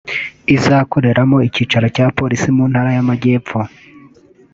izakoreramo icyicaro cya Polisi mu Ntara y’Amajyepfo